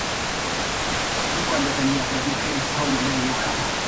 Ni Siward ni ninguno de sus asociados fueron castigados por Eduardo en años posteriores.